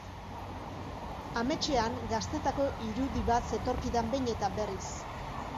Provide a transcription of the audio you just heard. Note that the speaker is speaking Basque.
Ametsean, gaztetako irudi bat zetorkidan behin eta berriz.